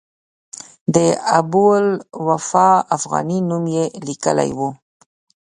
د ابوالوفاء افغاني نوم یې لیکلی و.